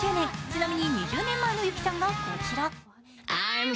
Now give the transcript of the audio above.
ちなみに２０年前のＹＵＫＩさんがこちら。